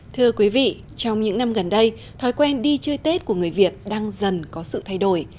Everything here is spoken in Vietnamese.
thưa quý vị trong những năm gần đây thói quen đi chơi tết của người việt đang dần có sự thay đổi